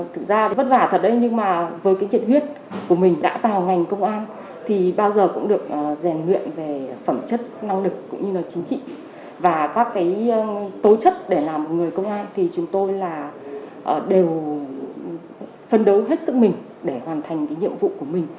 thực ra thì vất vả thật đấy nhưng mà với cái nhiệt huyết của mình đã vào ngành công an thì bao giờ cũng được rèn luyện về phẩm chất năng lực cũng như là chính trị và các cái tố chất để làm một người công an thì chúng tôi là đều phân đấu hết sức mình để hoàn thành cái nhiệm vụ của mình